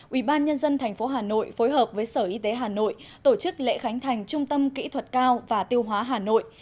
ubnd tp hà nội phối hợp với sở y tế hà nội tổ chức lễ khánh thành trung tâm kỹ thuật cao và tiêu hóa hà nội